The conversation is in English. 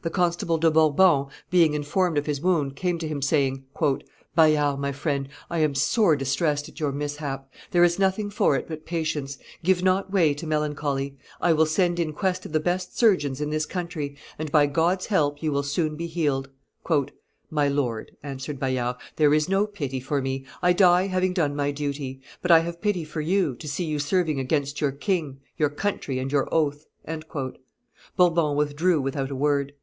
The Constable de Bourbon, being informed of his wound, came to him, saying, "Bayard, my friend, I am sore distressed at your mishap; there is nothing for it but patience; give not way to melancholy; I will send in quest of the best surgeons in this country, and, by God's help, you will soon be healed." "My lord," answered Bayard, "there is no pity for me; I die having done my duty; but I have pity for you, to see you serving against your king, your country, and your oath." Bourbon withdrew without a word.